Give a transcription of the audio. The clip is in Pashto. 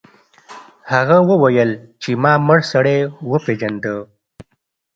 هغه وویل چې ما مړ سړی وپیژنده.